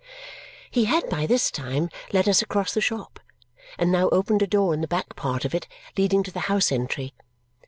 He had by this time led us across the shop, and now opened a door in the back part of it, leading to the house entry.